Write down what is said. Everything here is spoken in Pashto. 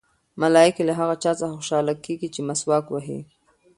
ملایکې له هغه چا څخه خوشحاله کېږي چې مسواک وهي.